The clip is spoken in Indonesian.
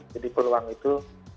jadi peluang itu